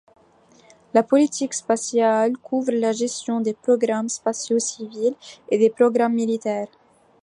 La politique spatiale couvre la gestion des programmes spatiaux civils et des programmes militaires.